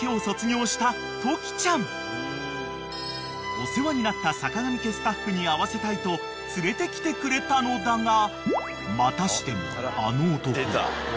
［お世話になったさかがみ家スタッフに会わせたいと連れてきてくれたのだがまたしても］